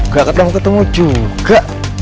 gak ketemu ketemu juga